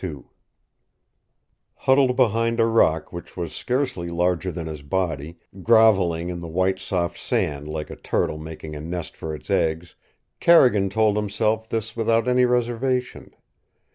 II Huddled behind a rock which was scarcely larger than his body, groveling in the white, soft sand like a turtle making a nest for its eggs, Carrigan told himself this without any reservation.